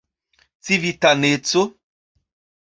civitaneco